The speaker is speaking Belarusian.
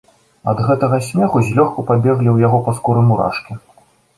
Ад гэтага смеху злёгку прабеглі ў яго па скуры мурашкі.